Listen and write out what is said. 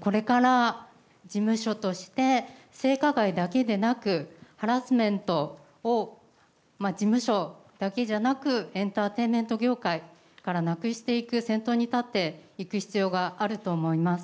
これから事務所として性加害だけでなく、ハラスメントを事務所だけじゃなく、エンターテインメント業界からなくしていく先頭に立っていく必要があると思います。